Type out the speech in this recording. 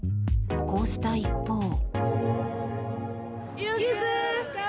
こうした一方。